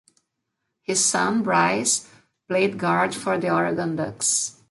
His son, Bryce, played guard for the Oregon Ducks.